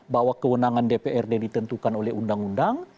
bahwa kewenangan dpr yang ditentukan oleh undang undang